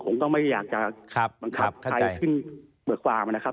ผมก็ไม่อยากจะบังคับใครขึ้นเบิกความนะครับ